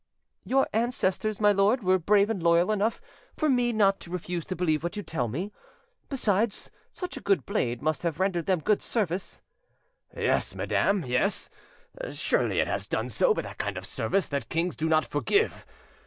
"Your ancestors, my lord, were brave and loyal enough for me not to refuse to believe what you tell me. Besides, such a good blade must have rendered them good service." "Yes, madam, yes, surely it has done so, but that kind of service that kings do not forgive.